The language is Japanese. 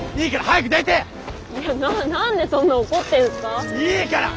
いや何でそんな怒ってんすか？